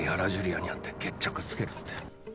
亜に会って決着つけるって。